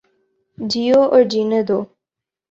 جیو اور جینے دو